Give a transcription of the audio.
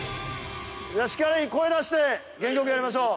しっかり声出して元気よくやりましょう。